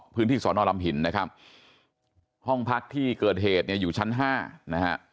พื้นที่สนลำหินนะครับห้องพักที่เกิดเหตุอยู่ชั้น๕นะฮะ